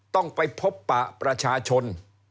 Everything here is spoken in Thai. ต้องไปพบปะประชาชน